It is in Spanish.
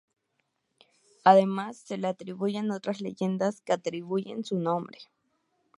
Además se le atribuyen otras leyendas que atribuyen su nombre.